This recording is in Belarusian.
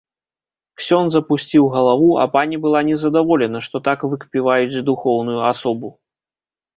Ксёндз апусціў галаву, а пані была незадаволена, што так выкпіваюць духоўную асобу.